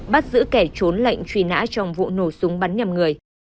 bắt giữ kẻ trốn lệnh truy nã trong vụ nổ súng bắn nhầm người